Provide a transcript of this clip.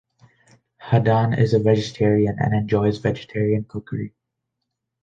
Haddon is a vegetarian and enjoys vegetarian cookery.